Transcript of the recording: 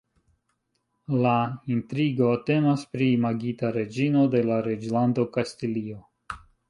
La intrigo temas pri imagita reĝino de la Reĝlando Kastilio.